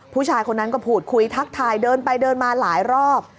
ผู้ชายคนนั้นก็พูดคุยทักทายเดินไปเดินมาหลายรอบ